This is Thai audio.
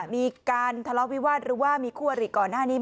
มีการทะเลาะวิวาสหรือว่ามีคู่อริก่อนหน้านี้ไหม